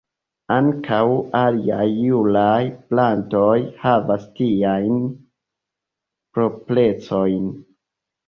Ankaŭ aliaj julaj plantoj havas tiajn proprecojn.